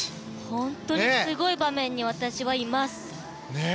本当にすごい場面に私はいます。